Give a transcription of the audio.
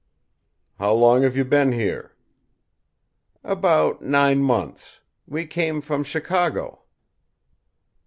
"How long have you been here?" "About nine months. We came from Chicago."